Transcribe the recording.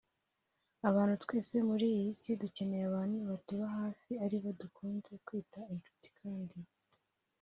Abantu twese muri iyi si dukeneye abantu batuba hafi aribo dukunze kwita inshuti kandi